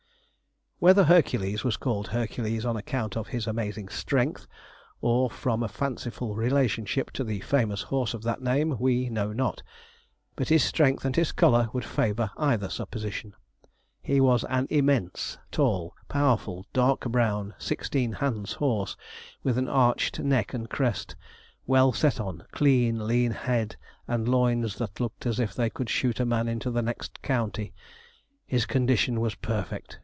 Whether Hercules was called Hercules on account of his amazing strength, or from a fanciful relationship to the famous horse of that name, we know not; but his strength and his colour would favour either supposition. He was an immense, tall, powerful, dark brown, sixteen hands horse, with an arched neck and crest, well set on, clean, lean head, and loins that looked as if they could shoot a man into the next county. His condition was perfect.